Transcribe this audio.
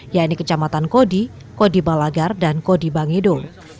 yaitu kecamatan kodi kodi balagar dan kodi bangido